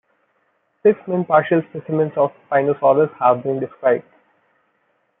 Six main partial specimens of "Spinosaurus" have been described.